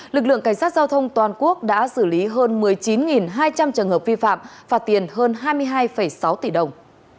lực lượng cảnh sát giao thông toàn quốc đã xử lý hơn một mươi chín hai trăm linh trường hợp vi phạm phạt tiền hơn hai mươi hai sáu tỷ đồng